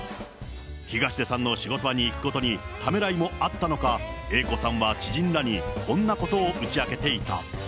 東出さんの仕事場に行くことにためらいもあったのか、Ａ子さんは知人らに、こんなことを打ち明けていた。